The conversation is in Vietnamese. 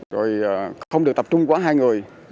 rồi không được tập trung quá hai người